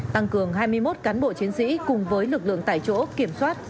tăng cường hai mươi một cán bộ chiến sĩ cùng với lực lượng tại chỗ kiểm soát